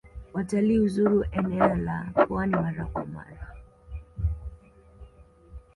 Watali huzuru enea la pwani mara kwa mara.